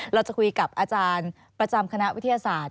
เราจะคุยกับอาจารย์ประจำคณะวิทยาศาสตร์